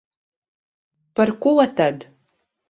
Par ko tad?